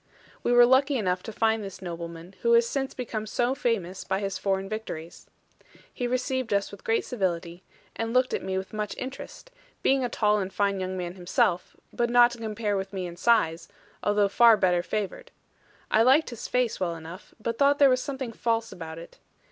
We were lucky enough to find this nobleman, who has since become so famous by his foreign victories. He received us with great civility; and looked at me with much interest, being a tall and fine young man himself, but not to compare with me in size, although far better favoured. I liked his face well enough, but thought there was something false about it.